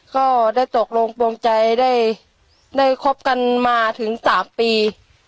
ก็ได้ตกลงปวงใจได้คบกันมาถึง๓ปี